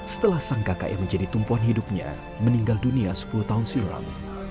setelah sang kakak yang menjadi tumpuan hidupnya meninggal dunia sepuluh tahun silam